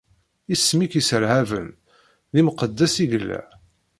Isem-ik yesserhaben, d imqeddes i yella!